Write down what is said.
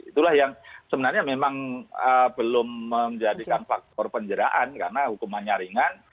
itulah yang sebenarnya memang belum menjadikan faktor penjeraan karena hukumannya ringan